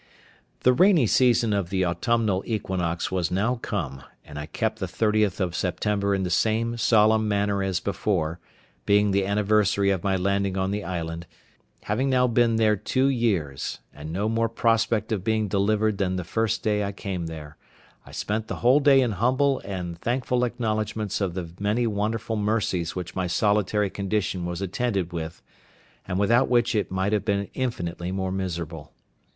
The rainy season of the autumnal equinox was now come, and I kept the 30th of September in the same solemn manner as before, being the anniversary of my landing on the island, having now been there two years, and no more prospect of being delivered than the first day I came there, I spent the whole day in humble and thankful acknowledgments of the many wonderful mercies which my solitary condition was attended with, and without which it might have been infinitely more miserable.